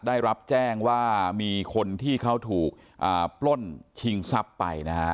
ได้รับแจ้งว่ามีคนที่เขาถูกปล้นชิงทรัพย์ไปนะฮะ